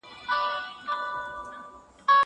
زه به سبا چپنه پاک کړم.